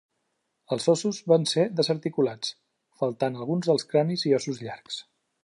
Els ossos van ser desarticulats, faltant alguns dels cranis i ossos llargs.